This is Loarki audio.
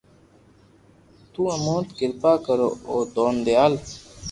تو امو نت ڪرپا ڪرو او دون ديال